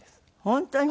本当に？